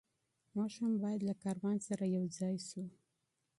موږ هم باید له کاروان سره یو ځای سو.